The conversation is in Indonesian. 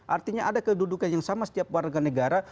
artinya ada kedudukan yang sama setiap warga negara